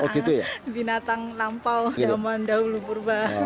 anak binatang nampau zaman dahulu purba